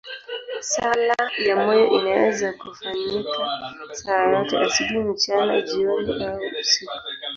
Sala ya moyo inaweza kufanyika saa yoyote, asubuhi, mchana, jioni au usiku.